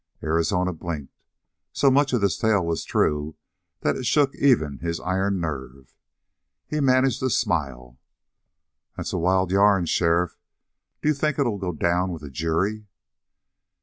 Arizona blinked. So much of this tale was true that it shook even his iron nerve. He managed to smile. "That's a wild yarn, sheriff. D'you think it'll go down with a jury?"